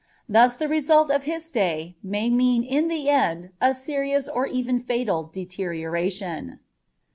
Thus the result of his stay may mean in the end a serious or even fatal deterioration.